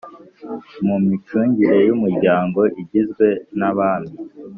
mu micungire y Umuryango Igizwe n abami